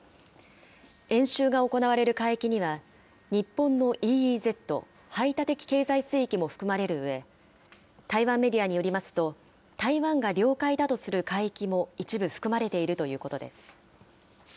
演習が行われる海域には、日本のＥＥＺ・排他的経済水域も含まれるうえ、台湾メディアによりますと、台湾が領海だとする海域も一部含まれているということです。